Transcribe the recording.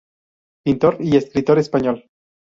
Pintor y escritor español.